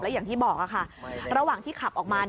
อย่างที่บอกค่ะระหว่างที่ขับออกมา